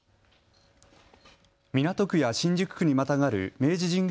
港区や新宿区にまたがる明治神宮